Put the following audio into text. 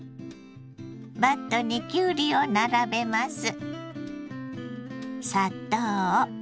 バットにきゅうりを並べます。